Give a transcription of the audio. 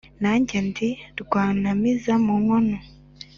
Nanjye ndi Rwanamiza mu nkono